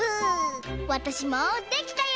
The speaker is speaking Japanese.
わたしもできたよ！